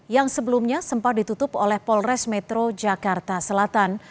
yang sebelumnya sempat ditutup oleh polres metro jakarta selatan